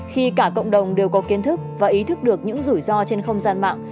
khi cả cộng đồng đều có kiến thức và ý thức được những rủi ro trên không gian mạng